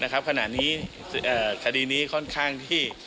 ขณะนี้คดีนี้ค่อนข้างที่